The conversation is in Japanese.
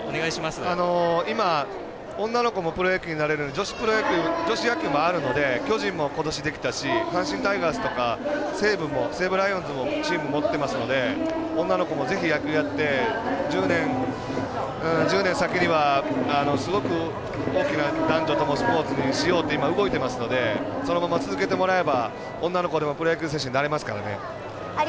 今、女の子もプロになれる女子野球もあるので、巨人もことしできたし阪神タイガースとか西武ライオンズもチームを持ってますので女の子もぜひ野球やって１０年先にはすごく大きな男女ともスポーツにしようって動いていますのでそのまま続けてもらえれば女の子でもプロ野球選手なれますからね。